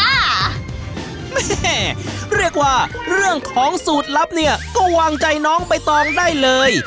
แม่เรียกว่าเรื่องของสูตรลับเนี่ยก็วางใจน้องใบตองได้เลย